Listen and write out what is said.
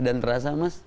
dan terasa mas